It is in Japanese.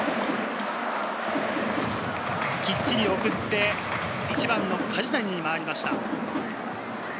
きっちり送って、１番・梶谷に回りました。